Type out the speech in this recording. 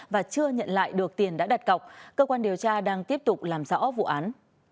và chưa nhận lại được tiền đã đặt cọc cơ quan điều tra đang tiếp tục làm rõ vụ án